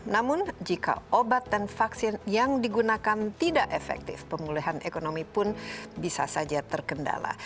namun jika obat dan vaksin yang digunakan tidak efektif pemulihan ekonomi pun bisa saja terkendala